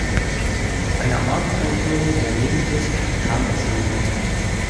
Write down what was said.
Zu einer Markteinführung der Mini-Disk kam es nie.